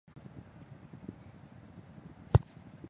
父亲近藤壮吉是律师则为藩士之后。